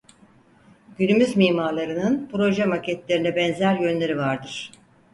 Günümüz mimarlarının proje maketlerine benzer yönleri vardır.